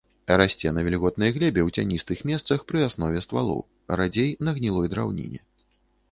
Расце на вільготнай глебе ў цяністых месцах пры аснове ствалоў, радзей на гнілой драўніне.